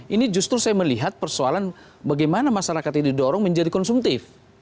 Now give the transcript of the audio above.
ini justru saya melihat persoalan bagaimana masyarakat ini didorong menjadi konsumtif